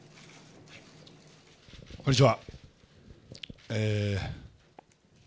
こんにちは。